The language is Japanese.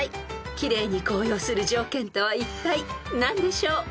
［奇麗に紅葉する条件とは何でしょう？］